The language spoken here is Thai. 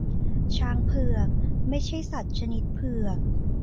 ช้างเผือก ไม่ใช่สัตว์ชนิดเผือก